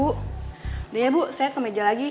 udah ya bu saya ke meja lagi